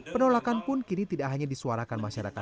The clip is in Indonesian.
penolakan pun kini tidak hanya disuarakan masyarakat